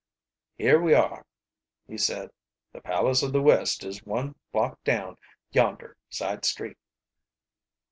"Here we are," he said. "The Palace of the West is one block down yonder side street."